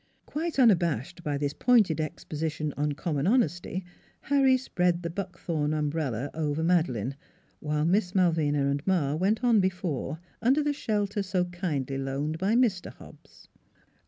'" Quite unabashed by this pointed exposition on common honesty, Harry spread the Buckthorn umbrella over Madeleine, while Miss Malvina and Ma went on before under the shelter so kindly loaned by Mr. Hobbs.